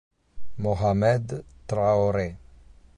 Mohamed Traoré